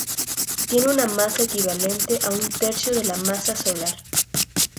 Tiene una masa equivalente a un tercio de la masa solar.